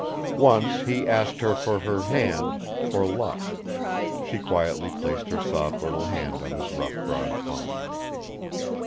Once he asked her for her hand "for luck"; she quietly placed her soft little hand on his rough broad palm.